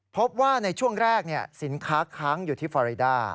พบว่าในช่วงแรกสินค้าค้างอยู่ที่ฟอริดา